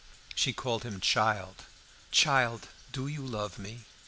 She called him "child." "Child, do you love me?"